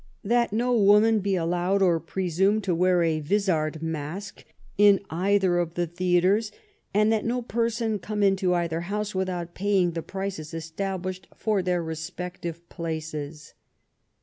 That no Woman be AUowM or Presume to wear a Vizard Mask in either of the Theatres, and that no Person come into either House without paying the Prices Establish^ for their Respective Places."